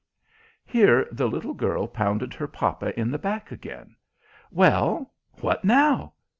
Here the little girl pounded her papa in the back, again. "Well, what now?